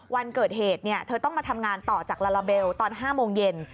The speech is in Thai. วันเกิดเหตุเธอต้องมาทำงานต่อจากลาลาเบลตอน๕โมงเย็น